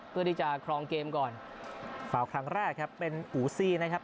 เพื่อที่จะครองเกมก่อนฝาวครั้งแรกครับเป็นอูซี่นะครับ